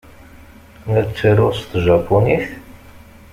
La ttaruɣ s tjapunit?